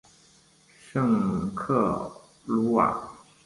圣克鲁瓦。